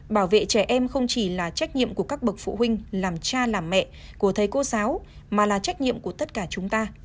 bảo vệ trẻ em không chỉ là trách nhiệm của các bậc phụ huynh làm cha làm mẹ của thầy cô giáo mà là trách nhiệm của tất cả chúng ta